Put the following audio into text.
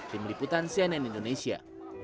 tim liputan cnn indonesia